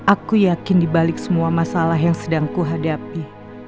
aku yakin di balik semua masalah yang sedang ku hadapi